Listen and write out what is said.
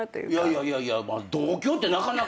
いやいやいやまあ同郷ってなかなか。